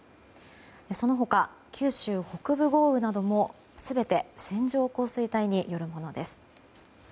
その他、九州北部豪雨なども全て線状降水帯によるものです。